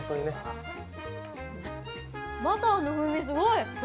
バターの風味すごい。